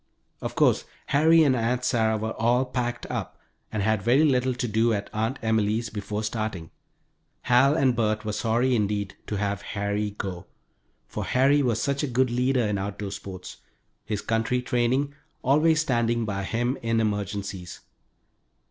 Of course Harry and Aunt Sarah were all "packed up" and had very little to do at Aunt Emily's before starting. Hal and Bert were sorry, indeed, to have Harry go, for Harry was such a good leader in outdoor sports, his country training always standing by him in emergencies.